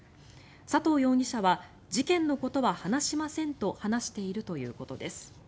佐藤容疑者は事件のことは話しませんと話しているということです。